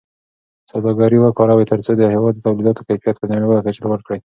سوداګري وکاروئ ترڅو د هېواد د تولیداتو کیفیت په نړیواله کچه لوړ کړئ.